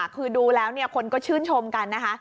คือดูแล้วคนก็ชื่นชมกันนะคะ